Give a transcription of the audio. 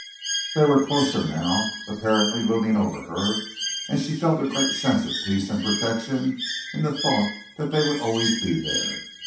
They were closer now, apparently looming over her, and she felt a great sense of peace and protection in the thought that they would always be there.